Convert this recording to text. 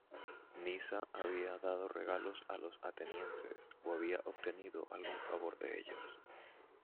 Nisa había dado regalos a los atenienses o había obtenido algún favor de ellos.